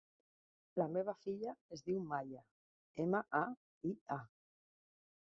La meva filla es diu Maia: ema, a, i, a.